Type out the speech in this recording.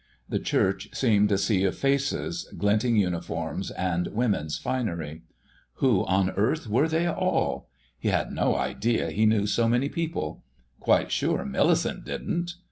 The church seemed a sea of faces, glinting uniforms, and women's finery. Who on earth were they all? He had no idea he knew so many people.... Quite sure Millicent didn't....